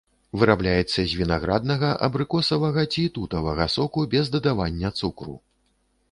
Вырабляецца з вінаграднага, абрыкосавага ці тутавага соку без дадавання цукру.